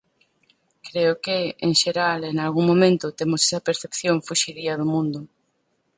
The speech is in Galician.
Creo que, en xeral e nalgún momento, temos esa percepción fuxidía do mundo.